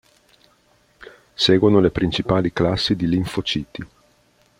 Seguono le principali classi di linfociti.